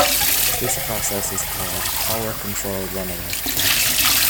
This process is called "power control runaway".